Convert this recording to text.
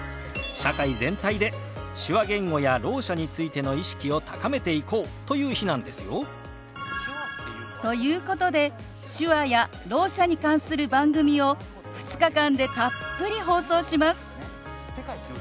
社会全体で手話言語やろう者についての意識を高めていこうという日なんですよ。ということで手話やろう者に関する番組を２日間でたっぷり放送します。